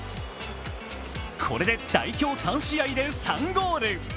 これで代表３試合で３ゴール。